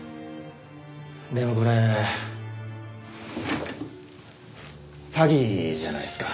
でもこれ詐欺じゃないですか？